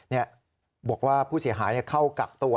บอกว่าผู้เสียหายเข้ากักตัว